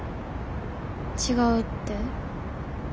違うって？